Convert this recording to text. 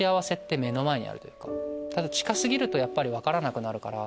ただ近過ぎるとやっぱり分からなくなるから。